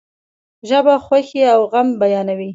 ژبه خوښی او غم بیانوي.